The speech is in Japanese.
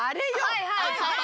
はいはいはい！